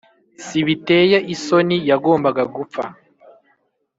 sbiteye isoni yagombaga gupfa